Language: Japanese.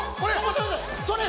◆それ！